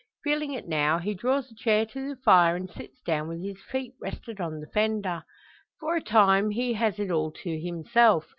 Feeling it now, he draws a chair to the fire, and sits down with his feet rested on the fender. For a time he has it all to himself.